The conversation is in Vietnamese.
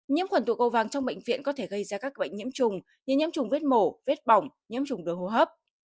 nhiễm khuẩn tụ cầu vàng trong bệnh viện có thể gây ra các bệnh nhiễm trùng như nhiễm trùng vết mổ vết bỏng nhiễm trùng đường hô hấp